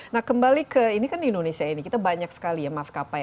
nah kembali ke indonesia ini kita banyak sekali mas kapai